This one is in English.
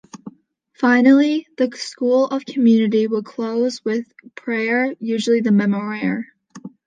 Finally, the School of Community will close with prayer, usually the Memorare.